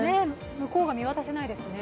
向こうが見渡せないですよね。